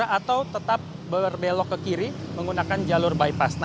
atau tetap berbelok ke kiri menggunakan jalur bypass